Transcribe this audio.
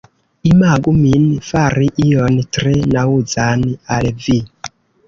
Imagu min fari ion tre naŭzan al vi